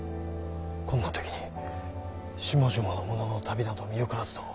こんな時に下々の者の旅など見送らずとも。